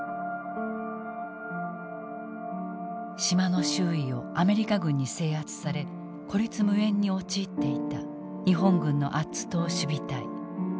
島の周囲をアメリカ軍に制圧され孤立無援に陥っていた日本軍のアッツ島守備隊。